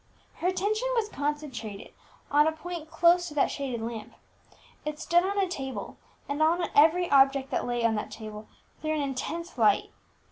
Her attention was concentrated on a point close to that shaded lamp. It stood on a table, and on every object that lay on that table threw an intense light.